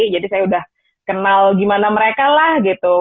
jadi saya udah kenal gimana mereka lah gitu